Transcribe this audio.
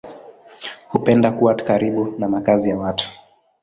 Hupenda kuwa karibu na makazi ya watu.